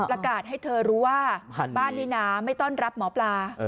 ประกาศให้เธอรู้ว่าบ้านนี้นะไม่ต้อนรับหมอปลา